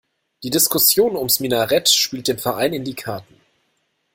Die Diskussion ums Minarett spielt dem Verein in die Karten.